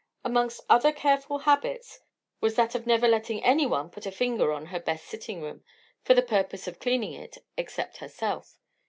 Amongst other careful habits, was that of never letting any one put a finger on her best sitting room, for the purpose of cleaning it, except herself.